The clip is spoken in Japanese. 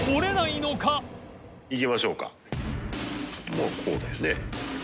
まぁこうだよね。